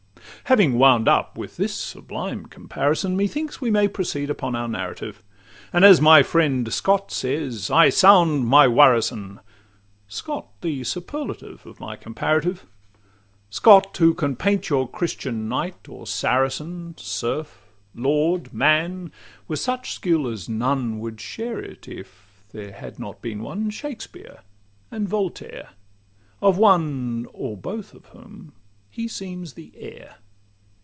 Having wound up with this sublime comparison, Methinks we may proceed upon our narrative, And, as my friend Scott says, 'I sound my warison;' Scott, the superlative of my comparative— Scott, who can paint your Christian knight or Saracen, Serf, lord, man, with such skill as none would share it, if There had not been one Shakspeare and Voltaire, Of one or both of whom he seems the heir.